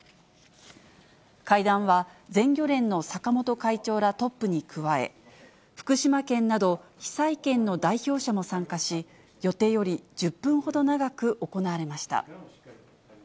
会談は、全漁連の坂本会長ら、トップに加え、福島県など、被災県の代表者も参加し、予定より１０分ほど長く行われました。